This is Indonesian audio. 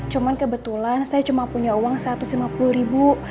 cuman kebetulan saya cuma punya uang satu ratus lima puluh ribu